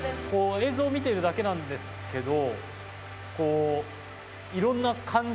映像を見ているだけなんですけどこう。